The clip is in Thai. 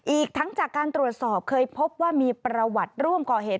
อีกทั้งจากการตรวจสอบเคยพบว่ามีประวัติร่วมก่อเหตุ